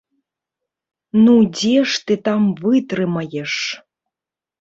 Ну дзе ж там вытрымаеш!